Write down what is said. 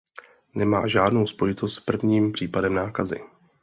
Nemá žádnou spojitost s prvním případem nákazy.